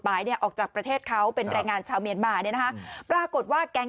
เนี่ยออกจากประเทศเขาเป็นแรงงานชาวเมียนมาเนี่ยนะคะปรากฏว่าแก๊ง